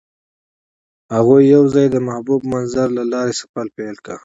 هغوی یوځای د محبوب منظر له لارې سفر پیل کړ.